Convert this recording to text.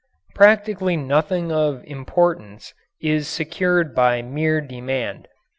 Practically nothing of importance is secured by mere demand.